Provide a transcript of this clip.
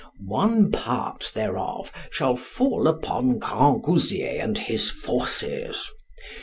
One part thereof shall fall upon Grangousier and his forces.